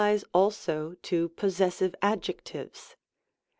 163 also to possessive adjectives.